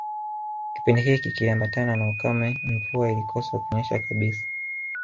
Kipindi hiki kiliambatana na ukame Mvua ilikosa kunyesha kabisa